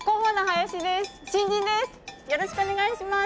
よろしくお願いします！